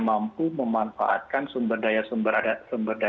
mampu memanfaatkan sumber daya